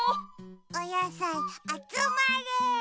おやさいあつまれ。